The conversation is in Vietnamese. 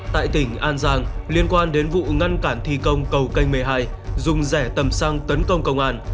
tại tỉnh an giang liên quan đến vụ ngăn cản thi công cầu canh một mươi hai dùng rẻ tầm xăng tấn công công an